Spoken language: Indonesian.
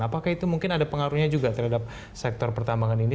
apakah itu mungkin ada pengaruhnya juga terhadap sektor pertambangan ini